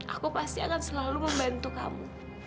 aku pasti akan selalu membantu kamu